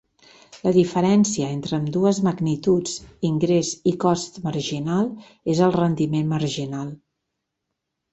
La diferència entre ambdues magnituds, ingrés i cost marginal, és el rendiment marginal.